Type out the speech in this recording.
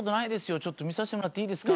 「見させてもらっていいですか？」。